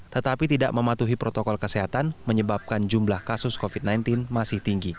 tetapi tidak mematuhi protokol kesehatan menyebabkan jumlah kasus covid sembilan belas masih tinggi